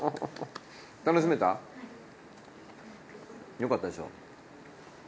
よかったでしょ？